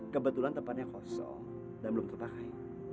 kebetulan tempatnya kosong dan belum terpakai